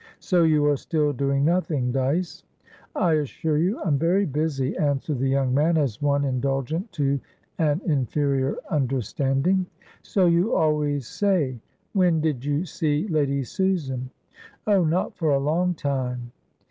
"So you are still doing nothing, Dyce?" "I assure you, I'm very busy," answered the young man, as one indulgent to an inferior understanding. "So you always say. When did you see Lady Susan?" "Oh, not for a long time."